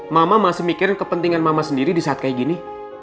mama masih mikirin kepentingan mama sendiri di saat kayak gini